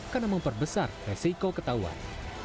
karena memperbesar resiko ketahuan